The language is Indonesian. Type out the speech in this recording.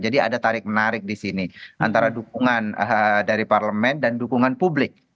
jadi ada tarik menarik di sini antara dukungan dari parlemen dan dukungan publik